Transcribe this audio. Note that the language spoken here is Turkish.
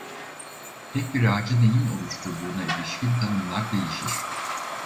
Tek bir ağacı neyin oluşturduğuna ilişkin tanımlar değişir.